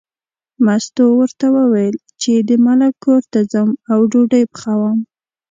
مستو ورته وویل چې د ملک کور ته ځم او ډوډۍ پخوم.